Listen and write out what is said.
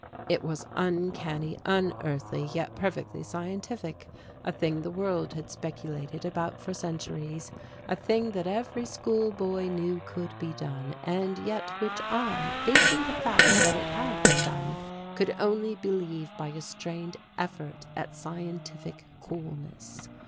It was uncanny, unearthly, yet perfectly scientific; a thing the world had speculated about for centuries, a thing that every school boy knew could be done, and yet which I, facing the fact that it had been done, could only believe by a strained effort at scientific coolness.